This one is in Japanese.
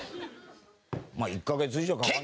「まあ１カ月以上かかる」。